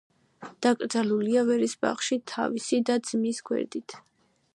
დაკრძალულია ვერის ბაღში თავისი და-ძმის გვერდით.